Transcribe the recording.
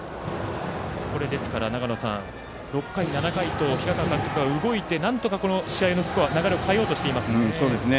６回、７回と平川監督が動いてなんとか、この試合のスコア流れを変えようとしています。